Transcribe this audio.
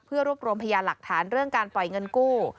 เพื่อรวบรวมพยานหลักฐานเรื่องการปล่อยเงินกู้